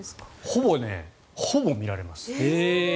ほぼ見られます。